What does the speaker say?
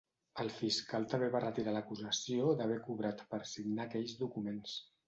El fiscal també va retirar l’acusació d’haver cobrat per signar aquells documents.